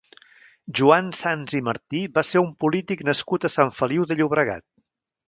Joan Sans i Martí va ser un polític nascut a Sant Feliu de Llobregat.